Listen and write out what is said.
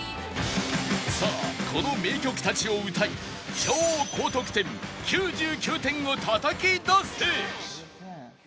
さあこの名曲たちを歌い超高得点９９点をたたき出せ！